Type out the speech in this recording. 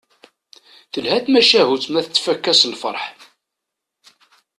Telha tmacahut ma tettfakka s lferḥ.